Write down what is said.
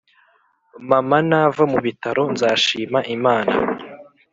Mama nava mubitaro nzashima imana